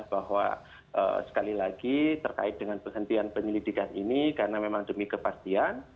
bahwa sekali lagi terkait dengan penghentian penyelidikan ini karena memang demi kepastian